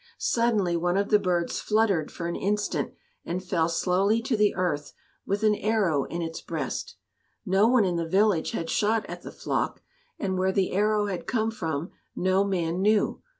Suddenly one of the birds fluttered for an instant and fell slowly to the earth with an arrow in its breast. No one in the village had shot at the flock, and where the arrow had come from no man knew.